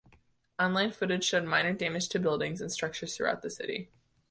Online footage showed minor damage to buildings and structures throughout the city.